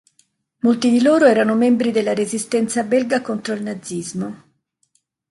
Molti di loro erano membri della Resistenza belga contro il nazismo.